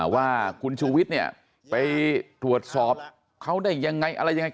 ว่าคุณชูวิทย์เนี่ยไปตรวจสอบเขาได้ยังไงอะไรยังไง